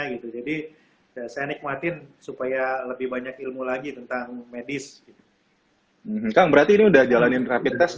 gitu jadi saya nikmatin supaya lebih banyak ilmu lagi tentang medis kang berarti ini udah jalanin rapid test